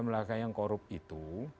melaka yang korup itu